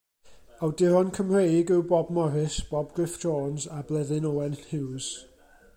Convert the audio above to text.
Awduron Cymreig yw Bob Morris, Bob Gruff Jones a Bleddyn Owen Huws.